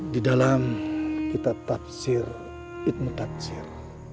di dalam kitab tafsir itmukatsir